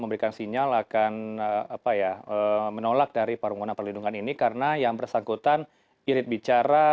memberikan sinyal akan menolak dari pengguna perlindungan ini karena yang bersangkutan irit bicara